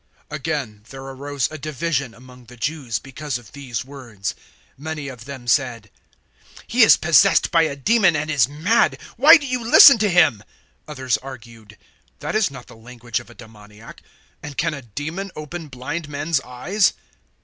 010:019 Again there arose a division among the Jews because of these words. 010:020 Many of them said, "He is possessed by a demon and is mad. Why do you listen to him?" 010:021 Others argued, "That is not the language of a demoniac: and can a demon open blind men's eyes?"